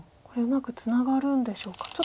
これうまくツナがるんでしょうか。